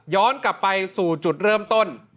กลับไปสู่จุดเริ่มต้น